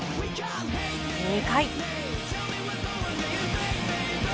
２回。